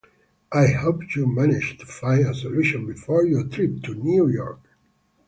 I hope you manage to find a solution before your trip to New York.